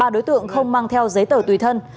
ba đối tượng không mang theo giấy tờ tùy thân